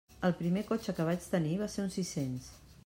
El primer cotxe que vaig tenir va ser un sis-cents.